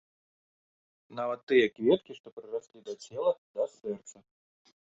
Нават тыя кветкі, што прыраслі да цела, да сэрца.